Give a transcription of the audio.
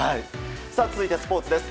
続いてスポーツです。